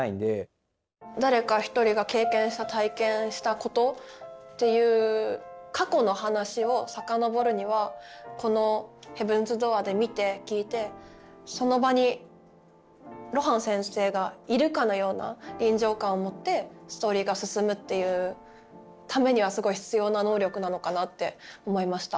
誰か一人が経験した体験したことっていう過去の話を遡るにはこの「ヘブンズ・ドアー」で見て聞いてその場に露伴先生がいるかのような臨場感を持ってストーリーが進むっていうためにはすごい必要な「能力」なのかなって思いました。